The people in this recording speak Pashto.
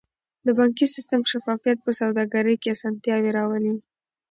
د بانکي سیستم شفافیت په سوداګرۍ کې اسانتیاوې راولي.